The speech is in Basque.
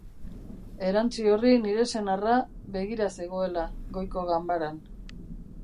Erantsi horri nire senarra, begira zegoela, goiko ganbaran.